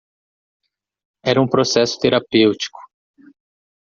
Era um processo terapêutico.